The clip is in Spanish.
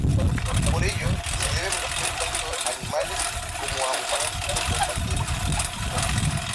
Por ello se debe proteger tanto a animales como a humanos del contacto directo.